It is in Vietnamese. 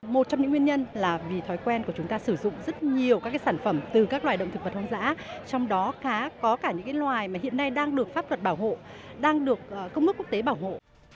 một trong những nguyên nhân là vì thói quen của chúng ta sử dụng rất nhiều các sản phẩm từ các loài động thực vật hoang dã trong đó khá có cả những loài mà hiện nay đang được pháp luật bảo hộ đang được công mức quốc tế bảo hộ